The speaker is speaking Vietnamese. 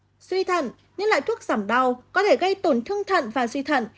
duy thận những loại thuốc giảm đau có thể gây tổn thương thận và duy thận